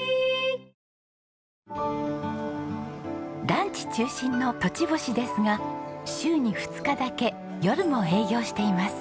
ランチ中心の栃星ですが週に２日だけ夜も営業しています。